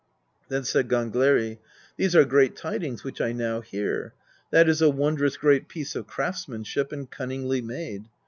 Then said Gangleri: "These are great tidings which I now hear; that is a wondrous great piece of craftsmanship, and cunningly made.